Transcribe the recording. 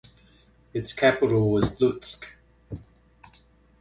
Its capital was Lutsk.